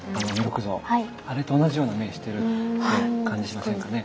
あれと同じような目してる感じしませんかね。